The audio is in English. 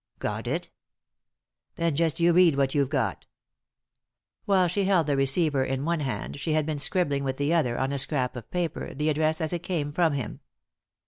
Got it ? Then just you read what you have got." While she held the receiver m one hand she had been scribbling with the other, on a scrap of paper, the address as it came from him.